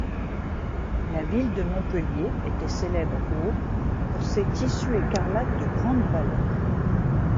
La ville de Montpellier était célèbre au pour ses tissus écarlates de grande valeur.